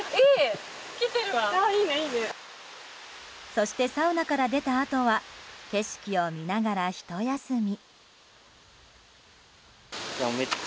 そしてサウナから出たあとは景色を見ながらひと休み。